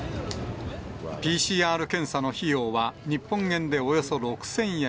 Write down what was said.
ＰＣＲ検査の費用は、日本円でおよそ６０００円。